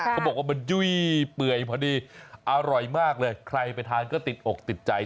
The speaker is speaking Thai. เขาบอกว่ามันยุ่ยพอดีอร่อยมากเลยใครไปทานก็ติดอกติดใจ